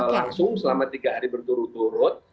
langsung selama tiga hari berturut turut